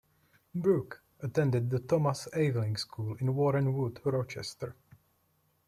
Brook attended the Thomas Aveling School in Warren Wood, Rochester.